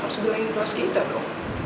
harus bilangin kelas kita dong